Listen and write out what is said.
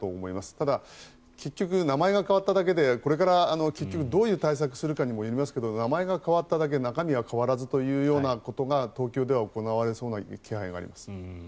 ただ、結局名前が変わっただけでこれから結局どういう対策をするかにもよりますが名前が変わっただけで、中身は変わらずというようなことが東京では行われそうな気配があります。